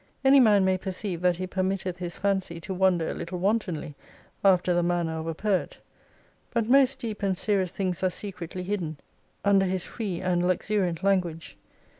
Any man may perceive that he pcrmitteth his fancy to wander a little wantonly after the manner of a poet ; but most deep and serious things are secretly hidden under his free and luxuriant language.